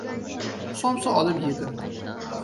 Somsa olib yedim.